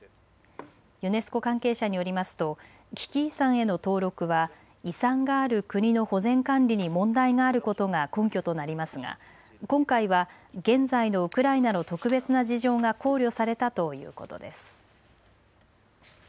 ユネスコ関係者によりますと危機遺産への登録は遺産がある国の保全管理に問題があることが根拠となりますが今回は現在のウクライナの特別な事情が考慮されたということです。